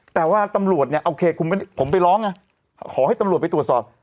แต่ว่าตำรวจผมไปร้องขอให้ตำรวจไปตรวจสอบ